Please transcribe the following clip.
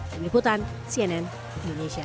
peniputan cnn indonesia